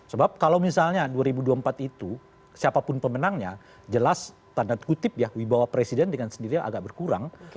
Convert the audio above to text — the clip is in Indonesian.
sebab kalau misalnya dua ribu dua puluh empat itu siapapun pemenangnya jelas tanda kutip ya wibawa presiden dengan sendirinya agak berkurang